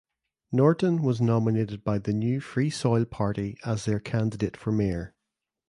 Norton was nominated by the new Free Soil Party as their candidate for Mayor.